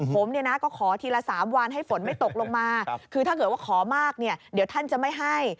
ผมเนี่ยนะก็ขอทีละ๓วันให้ฝนไม่ตกลงมาคือถ้าเกิดว่าขอมากเนี่ยเดี๋ยวท่านจะไม่ให้